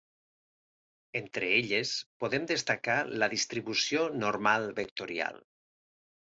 Entre elles podem destacar la distribució normal vectorial.